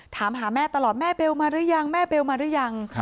ถามหาแม่ตลอดแม่เบลมาหรือยังแม่เบลมาหรือยัง